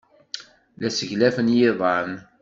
La sseglafen yiḍan.